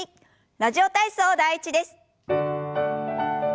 「ラジオ体操第１」です。